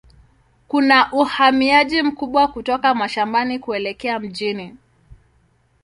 Kuna uhamiaji mkubwa kutoka mashambani kuelekea mjini.